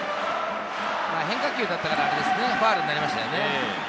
変化球だったからファウルになりましたね。